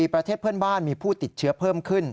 ประเทศเพื่อนบ้านมีผู้ติดเชื้อเพิ่มขึ้น